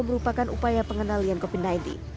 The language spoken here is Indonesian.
merupakan upaya pengendalian covid sembilan belas